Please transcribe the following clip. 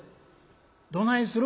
「どないする？